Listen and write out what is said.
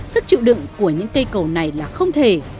sức chịu đựng của những cây cầu này là không thể